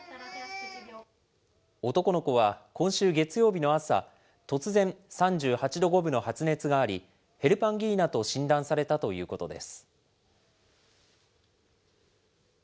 男の子は、今週月曜日の朝、突然、３８度５分の発熱があり、ヘルパンギーナと診断されたということです。